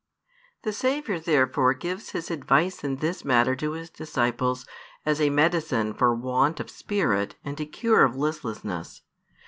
The Saviour therefore gives His advice in this matter to His disciples as a medicine for want of spirit and a cure of listlessness.